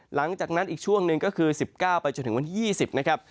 หลังจากนั้นอีกช่วงหนึ่งก็คือ๑๙ไปจนถึงวันที่๒๐นะครับ